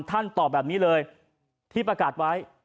ท่านตอบแบบนี้เลยที่ประกาศไว้